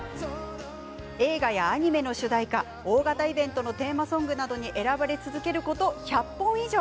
映画やアニメの主題歌大型イベントのテーマソングなどに選ばれ続けること１００本以上。